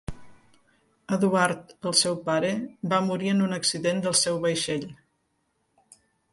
Eduard, el seu pare, va morir en un accident del seu vaixell.